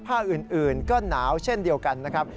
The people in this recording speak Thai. ภาคอื่นก็หนาวเช่นเดียวกันนะครับ